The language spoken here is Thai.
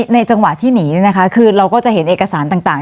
จังหวะที่หนีคือเราก็จะเห็นเอกสารต่าง